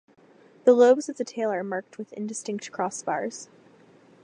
The lobes of the tail are marked with indistinct crossbars.